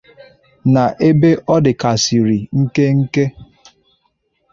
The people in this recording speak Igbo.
N'ebe ọ dịkarịsịrị nkenke